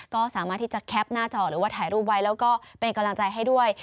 ก็สามารถที่จะแคปหน้าจอหรือว่าถ่ายรูปไว้แล้วก็เป็นกำลังใจให้ด้วย